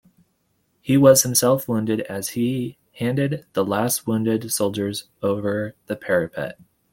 He was himself wounded as he handed the last wounded soldier over the parapet.